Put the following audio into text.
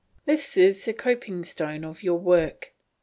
This is the coping stone of your work.